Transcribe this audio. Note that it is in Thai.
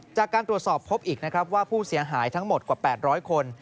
จากการตรวจสอบพบอีกนะครับว่าผู้เสียหายทั้งหมดกว่า๘๐๐คน